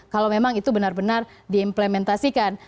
kalau memang itu benar benar diimplementasikan